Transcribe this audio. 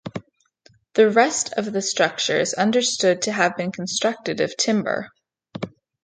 The rest of the structure is understood to have been constructed of timber.